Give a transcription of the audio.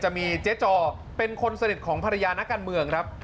จะมีเจ๊จอเป็นคนสนิทของภรรยานักการเมืองครับ